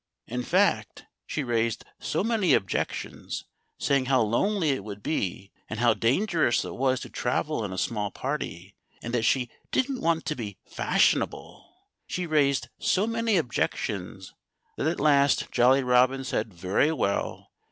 In fact, she raised so many objections, saying how lonely it would be and how dangerous it was to travel in a small party and that she didn't want to be fashionable she raised so many objections that at last Jolly Robin said very well!